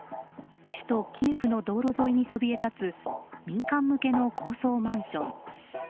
首都キエフの道路沿いにそびえ立つ民間向けの高層マンション。